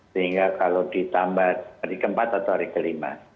sehingga kalau ditambah hari keempat atau hari kelima